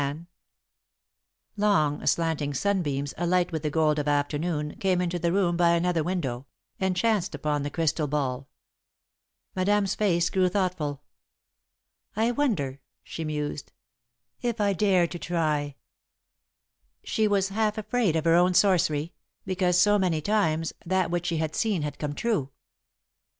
[Sidenote: Visions in the Crystal Ball] Long, slanting sunbeams, alight with the gold of afternoon, came into the room by another window, and chanced upon the crystal ball. Madame's face grew thoughtful. "I wonder," she mused, "if I dare to try!" She was half afraid of her own sorcery, because, so many times, that which she had seen had come true.